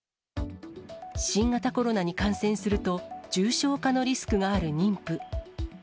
新型コロナに感染すると、重症化のリスクがある妊婦。